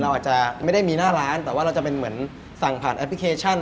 อาจจะไม่ได้มีหน้าร้านแต่ว่าเราจะเป็นเหมือนสั่งผ่านแอปพลิเคชัน